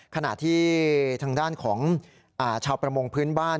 ขณะที่ทางด้านของชาวประมงพื้นบ้าน